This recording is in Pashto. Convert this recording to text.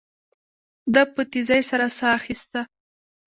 ده په تيزۍ سره ساه اخيسته.